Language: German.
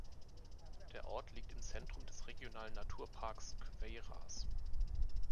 Der Ort liegt im Zentrum des Regionalen Naturparks Queyras.